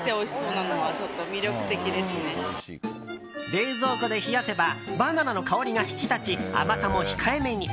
冷蔵庫で冷やせばバナナの香りが引き立ち甘さも控えめに。